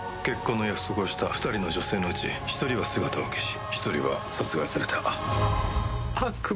結婚の約束をした二人の女性のうち一人は姿を消し一人は殺害された。